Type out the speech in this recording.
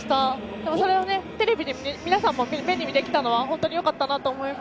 でもそれをテレビで皆さんも目にできたのは本当によかったと思います。